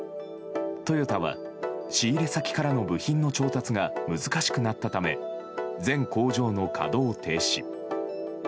トヨタは仕入れ先からの部品の調達が難しくなったため全工場の稼働停止。